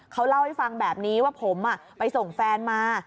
เขาเล่าให้ฟังแบบนี้ว่าผมไปส่งแฟนมา